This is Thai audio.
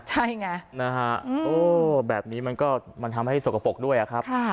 ใช่ไงนะฮะโอ้แบบนี้มันก็มันทำให้สกปรกด้วยอะครับ